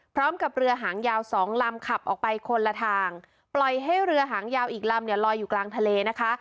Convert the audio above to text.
พร้อมกับเรือหางยาวสองลำขับออกไปคนละทางปล่อยให้เรือหางยาวอีกลำเนี่ยลอยอยู่กลางทะเลนะคะ